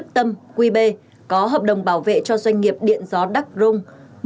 tâm quy bê có hợp đồng bảo vệ cho doanh nghiệp điện gió đắc rung một trăm hai mươi ba